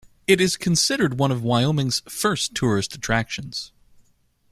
It is considered one of Wyoming's first tourist attractions.